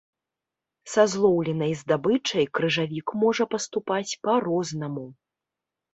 Са злоўленай здабычай крыжавік можа паступаць па-рознаму.